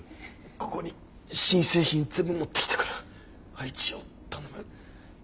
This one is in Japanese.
ここに新製品全部持ってきたから配置を頼む。